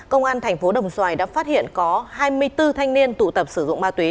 công an thành phố đồng xoài đã phát hiện có hai mươi bốn thanh niên tụ tập sử dụng ma túy